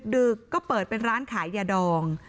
ดึกก็เปิดเป็นร้านขายยาดอง